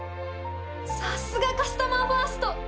さすがカスタマーファースト！